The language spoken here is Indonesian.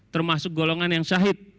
termasuk golongan yang syahid